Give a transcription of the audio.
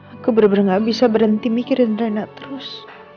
aku bener bener gak bisa berhenti mikirin reina terus